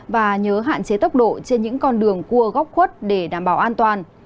và nhớ hạn chế tốc độ trên những con đường cua góc khuất để đảm bảo an toàn